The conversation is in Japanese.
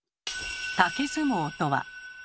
竹相撲とは。